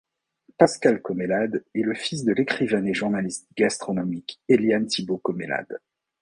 Pascal Comelade est le fils de l'écrivaine et journaliste gastronomique Éliane Thibaut-Comelade.